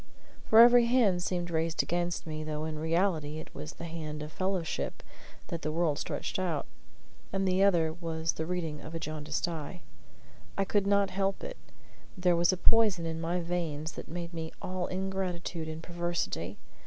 For every hand seemed raised against me, though in reality it was the hand of fellowship that the world stretched out, and the other was the reading of a jaundiced eye. I could not help it: there was a poison in my veins that made me all ingratitude and perversity.